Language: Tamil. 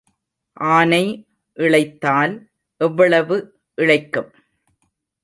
ஆனை இளைத்தால் எவ்வளவு இளைக்கும்?